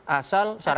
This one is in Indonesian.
asal sarannya ini ini